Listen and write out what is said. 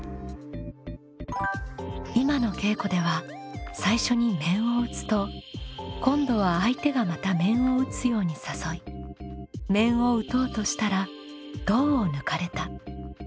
今の稽古では最初に面を打つと今度は相手がまた面を打つように誘い面を打とうとしたら胴を抜かれたという駆け引きでした。